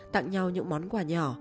tặng nhau những món quà nhỏ